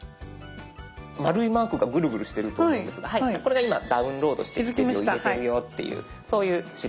丸いマークがぐるぐるしてると思うんですがこれが今ダウンロードして入れてるよっていうそういう印です。